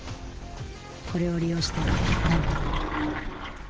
これを利用してなんと。